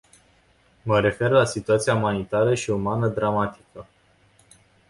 Mă refer la situația umanitară și umană dramatică.